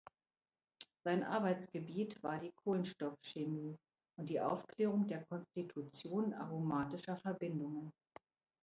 Sein Arbeitsgebiet war die Kohlenstoff-Chemie und die Aufklärung der Konstitution aromatischer Verbindungen.